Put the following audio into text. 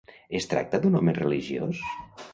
Es tracta d'un home religiós?